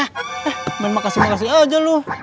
eh bener makasih aja lu